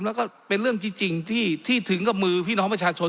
แล้วก็เป็นเรื่องจริงที่ถึงกับมือพี่น้องประชาชน